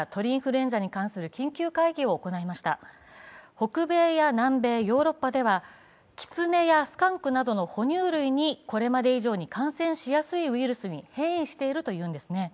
北米や南米、ヨーロッパではキツネやスカンクなどの哺乳類にこれまで以上に感染しやすいウイルスに変異しているというんです。